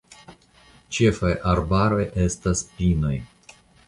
Ĉefaj arbaroj estas pinoj.